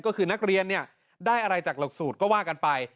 ก็คือนักเรียนเนี่ยได้อะไรจากหลักสูตรก็ว่ากันไป